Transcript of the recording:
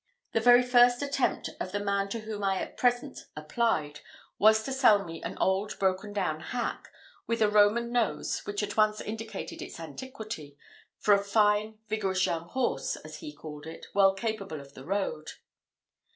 The very first attempt of the man to whom I at present applied, was to sell me an old broken down hack, with a Roman nose which at once indicated its antiquity, for a fine, vigorous, young horse, as he called it, well capable of the road.